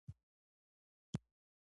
نوښت یې رد کړ.